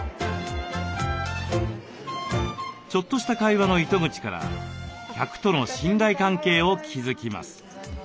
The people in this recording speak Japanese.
ちょっとした会話の糸口から客との信頼関係を築きます。